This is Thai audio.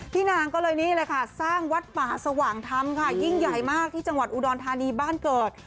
นางก็เลยนี่เลยค่ะสร้างวัดป่าสว่างธรรมค่ะยิ่งใหญ่มากที่จังหวัดอุดรธานีบ้านเกิด